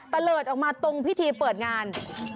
เลิศออกมาตรงพิธีเปิดงาน